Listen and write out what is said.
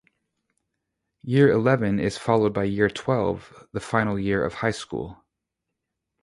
Year Eleven is followed by Year Twelve, the final year of high school.